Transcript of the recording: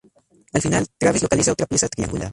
Al final, Travis localiza otra pieza triangular.